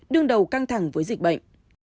đương đầu căng thẳng với dịch bệnh